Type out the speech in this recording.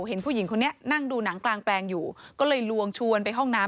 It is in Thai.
เห็นผู้หญิงคนนี้นั่งดูหนังกลางแปลงอยู่ก็เลยลวงชวนไปห้องน้ำ